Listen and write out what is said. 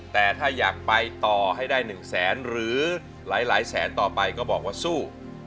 แต่ถ้าอยากไปต่อให้ได้๑แสนหรือหลายแสนต่อไปก็บอกว่าสู้